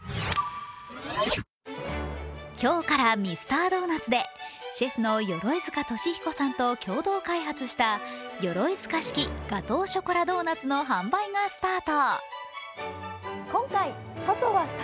今日からミスタードーナツでシェフの鎧塚俊彦さんと共同開発したヨロイヅカ式ガトーショコラドーナツの販売がスタート。